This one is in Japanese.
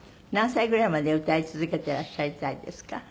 何歳ぐらいまで歌い続けていらっしゃりたいですか？